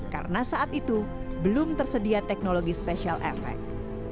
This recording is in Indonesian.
karena saat itu belum tersedia teknologi special effect